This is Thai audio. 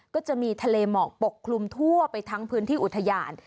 ก็จะมีทะเลหมอกปกคลุมทั่วไปทั้งพื้นที่อุทยาน